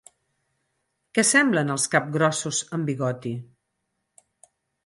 Què semblen els capgrossos amb bigoti?